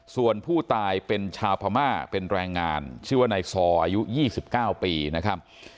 ส่วนผู้ตายเป็นชาวพม่าเป็นแรงงานชื่อว่านายซออายุ๒๙ปีนะครับ